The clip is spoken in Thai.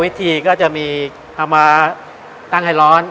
วิธีก็จะมีเอามาตั้งให้ร้อน